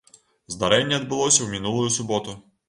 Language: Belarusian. Здарэнне адбылося ў мінулую суботу.